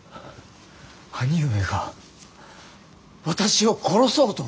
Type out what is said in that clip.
兄上が私を殺そうと？